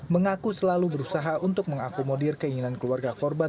mengaku selalu berusaha untuk mengakomodir keinginan keluarga korban